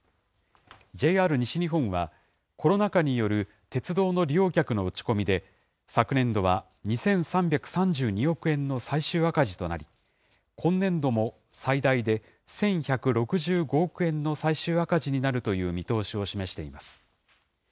ＪＲ西日本はコロナ禍による鉄道の利用客の落ち込みで、昨年度は２３３２億円の最終赤字となり、今年度も最大で１１６５億円の最終赤字になるという見通しを示しています。